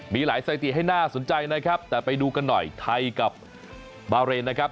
มีหลายสถิติให้น่าสนใจนะครับแต่ไปดูกันหน่อยไทยกับบาเรนนะครับ